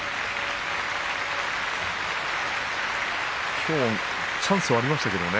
きょうチャンスはありましたけどね。